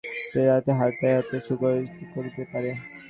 সে যাহাতে হাত দেয় তাহাই অতি সুকৌশলে করিতে পারে।